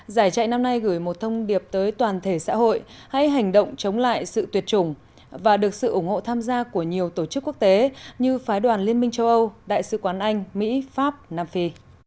giải chạy năm nay gửi một thông điệp tới toàn thể xã hội hay hành động chống lại sự tuyệt chủng và được sự ủng hộ tham gia của nhiều tổ chức quốc tế như phái đoàn liên minh châu âu đại sứ quán anh mỹ pháp nam phi